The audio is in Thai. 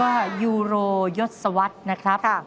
แล้วก็ยูโรยศวรรดิ์นะครับ